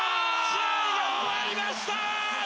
試合が終わりました！